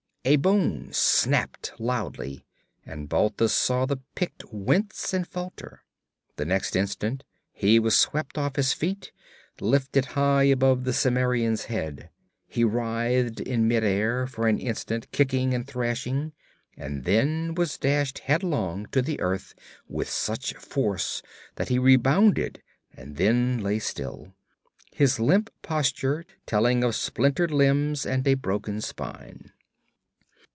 A bone snapped loudly, and Balthus saw the Pict wince and falter. The next instant he was swept off his feet, lifted high above the Cimmerian's head he writhed in midair for an instant, kicking and thrashing, and then was dashed headlong to the earth with such force that he rebounded, and then lay still, his limp posture telling of splintered limbs and a broken spine.